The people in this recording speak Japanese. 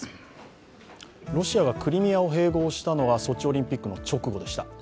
ロシアがクリミアを併合したのがソチオリンピックの直後でした。